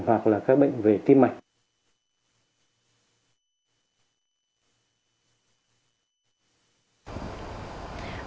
hoặc là các bệnh về tim mạnh